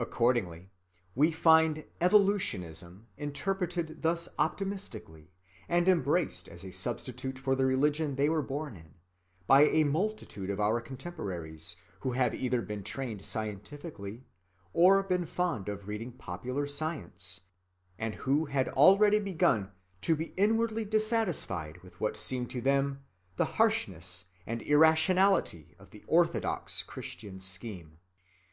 Accordingly we find "evolutionism" interpreted thus optimistically and embraced as a substitute for the religion they were born in, by a multitude of our contemporaries who have either been trained scientifically, or been fond of reading popular science, and who had already begun to be inwardly dissatisfied with what seemed to them the harshness and irrationality of the orthodox Christian scheme.